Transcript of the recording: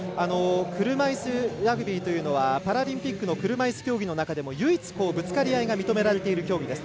車いすラグビーというのはパラリンピックの車いす競技の中で唯一、ぶつかり合いが認められている競技です。